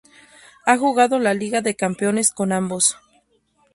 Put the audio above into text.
Ha jugado la Liga de Campeones con ambos.